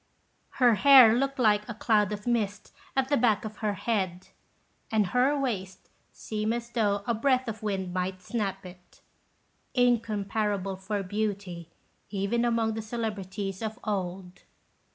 Her hair looked like a cloud of mist at the back of her head, and her waist seemed as though a breath of wind might snap it incomparable for beauty, even among the celebrities of old.